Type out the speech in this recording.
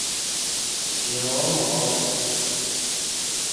米罗蒙。